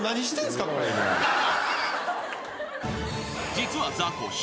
［実はザコシ。